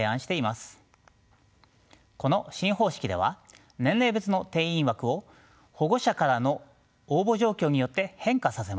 この新方式では年齢別の定員枠を保護者からの応募状況によって変化させます。